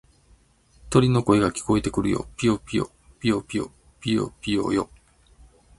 鳥の声が聞こえてくるよ。ぴよぴよ、ぴよぴよ、ぴよぴよよ。